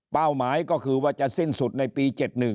หมายก็คือว่าจะสิ้นสุดในปี๗๑